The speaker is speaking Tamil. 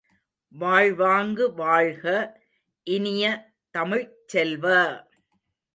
வாழ்வாங்கு வாழ்க இனிய தமிழ்ச் செல்வ!